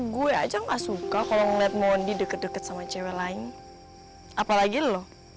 gue aja enggak suka kalau netmondi deket deket sama cewek lain apalagi lo